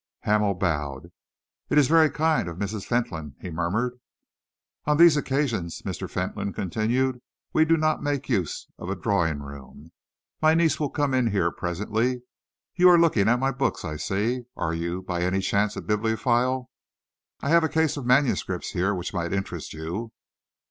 Hamel bowed. "It is very kind of Mrs. Fentolin," he murmured. "On these occasions," Mr. Fentolin continued, "we do not make use of a drawing room. My niece will come in here presently. You are looking at my books, I see. Are you, by any chance, a bibliophile? I have a case of manuscripts here which might interest you."